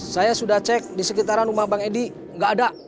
saya sudah cek di sekitaran rumah bang edi nggak ada